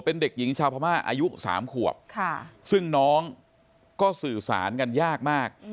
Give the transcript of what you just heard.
เป็นเด็กหญิงชาวพม่าอายุ๓ขวบซึ่งน้องก็สื่อสารกันยากมาก